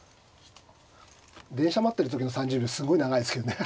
電車待ってる時の３０秒すごい長いですけどね。